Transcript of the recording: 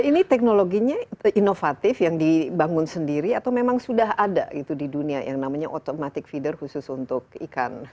ini teknologinya inovatif yang dibangun sendiri atau memang sudah ada gitu di dunia yang namanya automatic feeder khusus untuk ikan